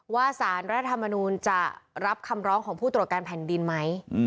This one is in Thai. สารรัฐธรรมนูลจะรับคำร้องของผู้ตรวจการแผ่นดินไหม